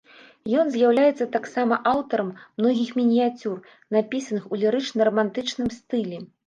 Ён з'яўляецца таксама аўтарам многіх мініяцюр, напісаных у лірычна-рамантычным стылі.